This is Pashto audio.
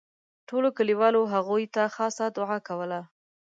ټولو کلیوالو هغوی ته خاصه دوعا کوله.